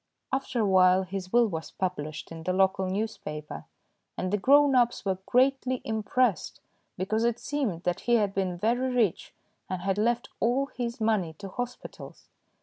After a while his will was published in the local newspaper, and the grown ups were greatly impressed, because it seemed that he had been very rich and had left all his money to hospitals.